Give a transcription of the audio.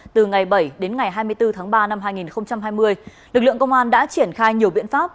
từ ngày bảy đến ngày hai mươi bốn tháng ba năm hai nghìn hai mươi lực lượng công an đã triển khai nhiều biện pháp